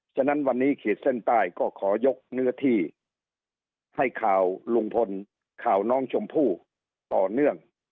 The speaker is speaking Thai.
ฉะนั้นวันนี้ขีดเส้นใต้ก็ขอยกเนื้อที่ให้ข่าวลุงพลข่าวน้องชมพู่ต่อเนื่อง